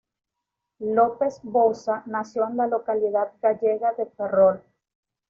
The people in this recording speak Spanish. López Bouza nació en la localidad gallega de Ferrol.